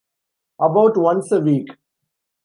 About once a week.